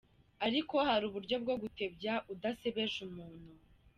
Ariko hari uburyo bwo gutebya udasebeje umuntu.